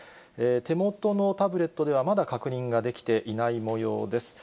手元のタブレットではまだ確認ができていないもようです。